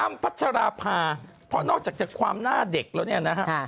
อ้ำพัชราพานอกจากความหน้าเด็กแล้วเนี่ยนะครับ